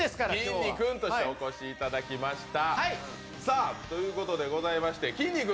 きんに君としてお越しいただきました。